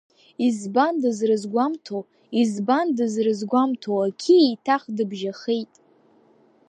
Избан дызрызгәамҭо, избан дызрызгәамҭо, ақьиа еиҭах дыбжьахеит…